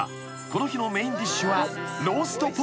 この日のメインディッシュは］